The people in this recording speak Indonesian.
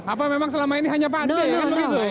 atau memang selama ini hanya pak dekarwo